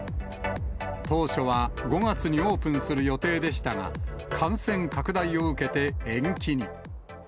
当初は５月にオープンする予定でしたが、感染拡大を受けて延期に。